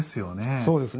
そうですね。